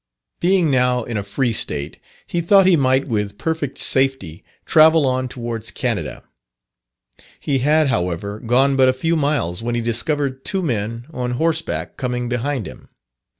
Being now in a free state, he thought he might with perfect safety travel on towards Canada. He had, however, gone but a few miles, when he discovered two men on horseback coming behind him.